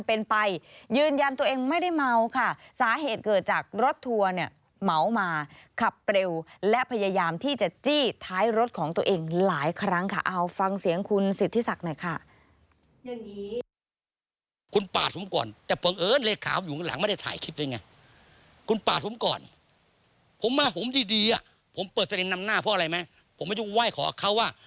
เป็นไปยืนยันตัวเองไม่ได้เมาค่ะสาเหตุเกิดจากรถทัวร์เนี่ยเหมามาขับเร็วและพยายามที่จะจี้ท้ายรถของตัวเองหลายครั้งค่ะเอาฟังเสียงคุณสิทธิศักดิ์หน่อยค่ะ